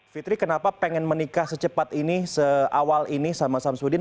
fitri kenapa pengen menikah secepat ini seawal ini sama samsudin